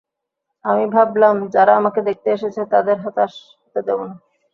আমি ভাবলাম, যারা আমাকে দেখতে এসেছে, তাদের হতাশ হতে দেব না।